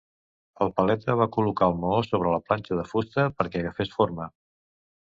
El paleta va col·locar el maó sobre la planxa de fusta perquè agafés forma.